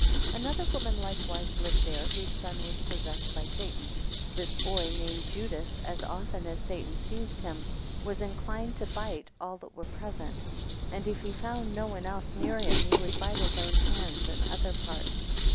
ANOTHER woman likewise lived there, whose son was possessed by Satan, 2 This boy, named Judas, as often as Satan seized him, was inclined to bite all that were present; and if he found no one else near him, he would bite his own hands and other parts.